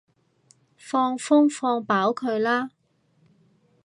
放風放飽佢啦